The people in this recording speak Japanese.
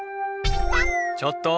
ちょっと！